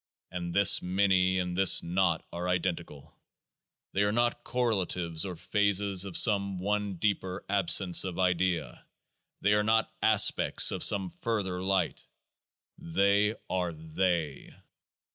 Any this Many and this Naught are identical ; they are not correlatives or phases of some one deeper Absence of Idea ; they are not aspects of some further Light : they are They